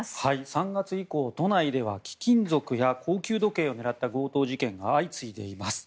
３月以降都内では貴金属や高級時計を狙った強盗事件が相次いでいます。